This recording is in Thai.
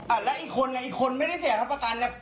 อ่ะแล้วอีกคนไงอีกคนไม่ได้เสียรับประกันแล้ว